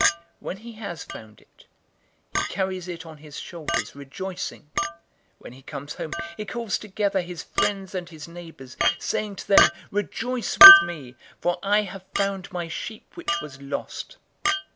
015:005 When he has found it, he carries it on his shoulders, rejoicing. 015:006 When he comes home, he calls together his friends and his neighbors, saying to them, 'Rejoice with me, for I have found my sheep which was lost!'